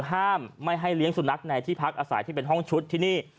ห้ามไม่ให้เลี้ยงสุนัขในที่พักอาศัยที่เป็นห้องชุดที่นี่